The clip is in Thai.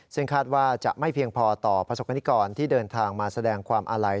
ซึ่งคาดว่าจะไม่เพียงพอต่อประสบกรณิกรที่เดินทางมาแสดงความอาลัย